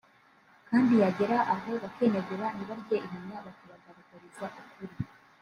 kandi yagera aho bakinegura ntibarye iminwa bakabagaragariza ukuri